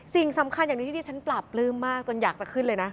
สิ่งสำคัญอย่างหนึ่งที่ที่ฉันปราบปลื้มมากจนอยากจะขึ้นเลยนะ